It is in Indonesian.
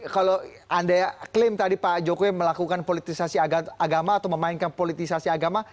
kalau anda klaim tadi pak jokowi melakukan politisasi agama atau memainkan politisasi agama